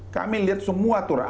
kami lihat semua turun